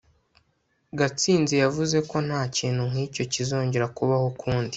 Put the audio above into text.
gatsinzi yavuze ko ntakintu nkicyo kizongera kubaho ukundi